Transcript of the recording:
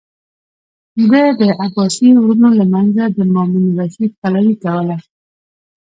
ده د عباسي ورونو له منځه د مامون الرشید پلوي کوله.